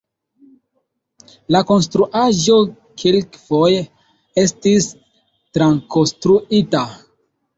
La konstruaĵo kelkfoje estis trakonstruita.